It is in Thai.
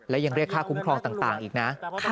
และยังเรียกค่าคุ้มครองต่างอีกนะ